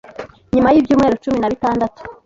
Nyuma y’ibyumweru cumi na bitandatu